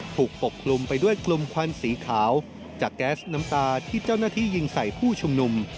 ปกคลุมไปด้วยกลุ่มควันสีขาวจากแก๊สน้ำตาที่เจ้าหน้าที่ยิงใส่ผู้ชุมนุม